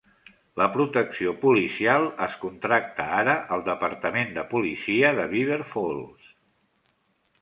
La protecció policial es contracta ara al Departament de Policia de Beaver Falls.